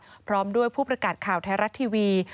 กลุสวนสมบัดพร้อมด้วยผู้ประกัดข่าวไทยรัฐทีวี